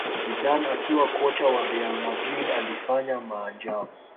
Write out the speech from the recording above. zidane akiwa kocha wa Real Madrid alifanya maajabu